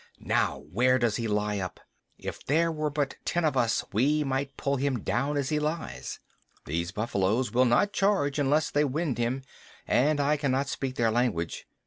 Now, where does he lie up? If there were but ten of us we might pull him down as he lies. These buffaloes will not charge unless they wind him, and I cannot speak their language.